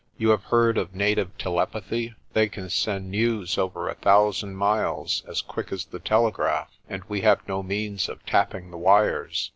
You have heard of native telepathy. They can send news over a thousand miles as quick as the telegraph, and we have no means of tapping the wires.